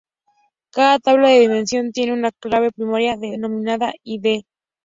Cada tabla de dimensión tiene una clave primaria denominada "id".